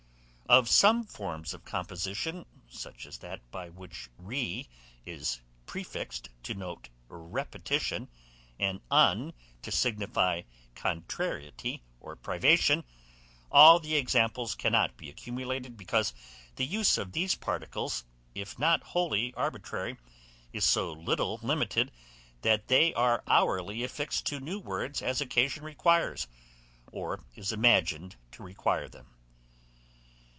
Of some forms of composition, such as that by which re is prefixed to note repetition, and un to signify contrariety or privation, all the examples cannot be accumulated, because the use of these particles, if not wholly arbitrary, is so little limited, that they are hourly affixed to new words as occasion requires, or is imagined to require them.